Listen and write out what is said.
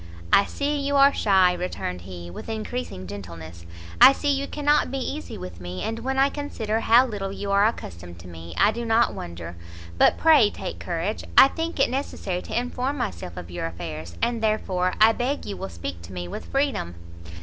"I see you are shy," returned he, with encreasing gentleness, "I see you cannot be easy with me; and when I consider how little you are accustomed to me, I do not wonder. But pray take courage; I think it necessary to inform myself of your affairs, and therefore I beg you will speak to me with freedom."